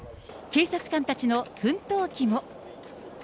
警察官たちの奮闘記も。